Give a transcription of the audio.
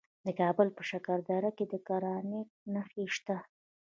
د کابل په شکردره کې د ګرانیټ نښې شته.